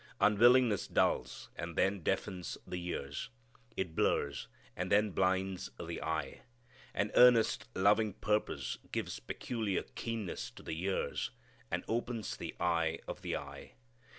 Unwillingness dulls, and then deafens the ears. It blurs, and then blinds the eye. An earnest, loving purpose gives peculiar keenness to the ears, and opens the eye of the eye.